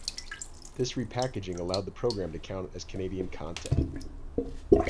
This repackaging allowed the program to count as Canadian content.